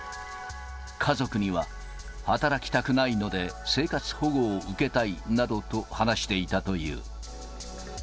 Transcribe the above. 家族には、働きたくないので生活保護を受けたいなどと話していたという。